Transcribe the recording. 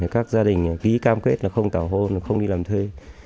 các gia đình ký cam kết là không tảo hôn không đi làm thuê